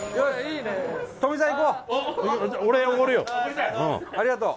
伊達：ありがとう。